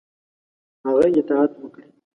هغه اطاعت وکړي.